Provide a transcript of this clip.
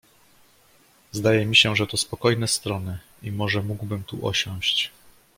"Zdaje mi się, że to spokojne strony i może mógłbym tu osiąść."